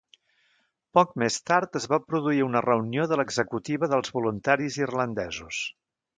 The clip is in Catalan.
Poc més tard es va produir una reunió de l'executiva dels Voluntaris Irlandesos.